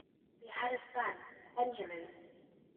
They had a son, Benjamin.